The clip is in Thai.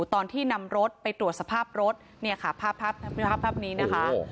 ตอนที่นำรถไปตรวจสภาพรถเนี่ยค่ะภาพนี้นะคะ